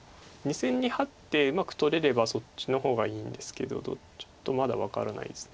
２線にハッてうまく取れればそっちの方がいいんですけどちょっとまだ分からないです。